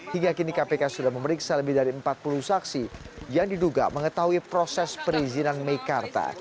hingga kini kpk sudah memeriksa lebih dari empat puluh saksi yang diduga mengetahui proses perizinan mekarta